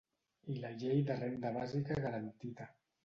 I la llei de la renda bàsica garantida.